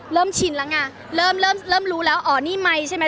เริ่มชินแล้วไงเริ่มรู้แล้วอ๋อนี่ไมค์ใช่ไหม